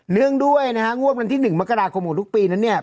เนื่องด้วยนะฮะงวดวันที่๑มกราคมของทุกปีนั้นเนี่ย